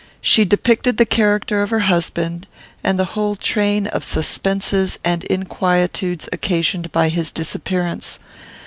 She depicted the character of her husband, and the whole train of suspenses and inquietudes occasioned by his disappearance.